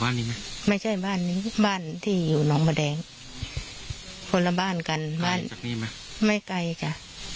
นี้ไหมไม่ใช่บ้านนี้บ้านที่อยู่น้องมะแดงคนละบ้านกันบ้านจากนี้ไหมไม่ไกลจ้ะ